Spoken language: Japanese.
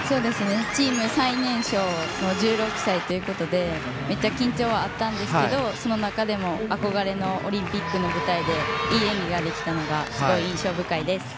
チーム最年少の１６歳ということでめっちゃ緊張はあったんですがその中でも憧れのオリンピックの舞台でいい演技ができたのがすごい印象深いです。